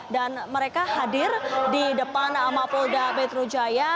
dan mereka hadir di depan mapolda metro jaya